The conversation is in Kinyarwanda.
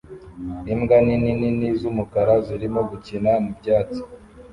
Imbwa nini nini z'umukara zirimo gukina mu byatsi